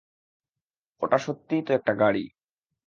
ওটা সত্যিই তো একটা গাড়ি!